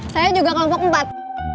saya juga kelompok empat